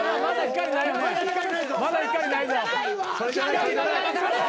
まだ光ないよね？